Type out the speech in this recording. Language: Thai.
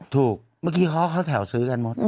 ถูกเมื่อกี้เขาแถวซื้อกันหมด